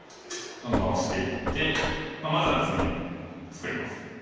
どんどんオシていってまず厚みを作ります。